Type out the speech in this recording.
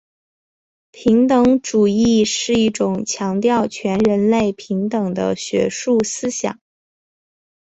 平等主义是一种强调全人类平等的学术思想。